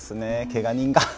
けが人が。